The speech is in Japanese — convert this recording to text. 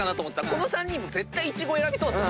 この３人イチゴ選びそうだった。